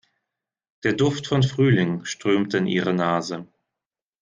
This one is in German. Der Duft von Frühling strömte in ihre Nase.